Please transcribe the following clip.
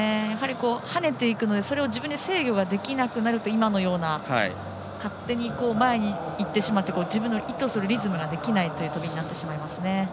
跳ねていくのでそれを自分で制御できなくなると今のような勝手に前にいってしまって自分の意図するリズムができないという跳びになってしまいますね。